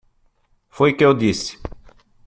Foi o que eu disse.